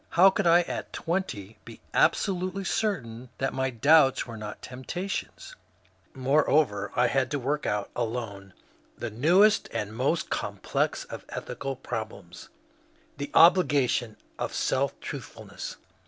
How could I at twenty be absolutely certain that my doubts were not temp tations ? Moreover, I had to work out alone the newest and most complex of ethical problems, — the obligation of self truthful ness.